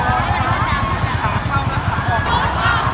อัศวินธรรมชาติอัศวินธรรมชาติ